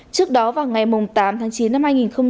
trước đó vào ngày tám tháng chín năm hai nghìn một mươi sáu